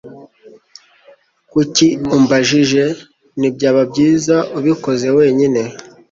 Kuki umbajije? Ntibyaba byiza ubikoze wenyine?